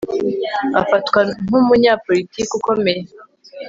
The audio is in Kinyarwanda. Afatwa nkumunyapolitiki ukomeye